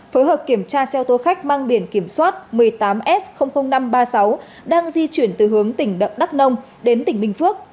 phối hợp kiểm tra xe ô tô khách mang biển kiểm soát một mươi tám f năm trăm ba mươi sáu đang di chuyển từ hướng tỉnh đậm đắc nông đến tỉnh bình phước